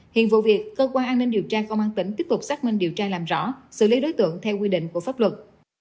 hiện vụ việc cơ quan an ninh điều tra công an tỉnh tiếp tục xác minh điều tra làm rõ xử lý đối tượng theo quy định của pháp luật